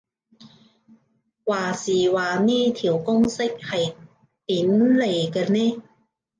話時話呢條公式係點嚟嘅呢